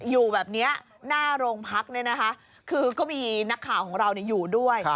อยู่แบบนี้หน้าโรงพักเนี่ยนะคะคือก็มีนักข่าวของเราอยู่ด้วย